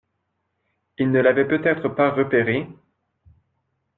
Ils ne l’avaient peut-être pas repéré.